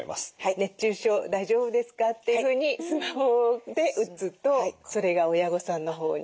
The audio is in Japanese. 「熱中症大丈夫ですか？」っていうふうにスマホで打つとそれが親御さんのほうに。